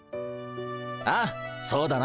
ああそうだな。